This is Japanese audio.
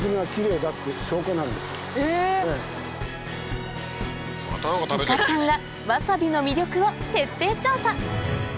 いかちゃんがわさびの魅力を徹底調査！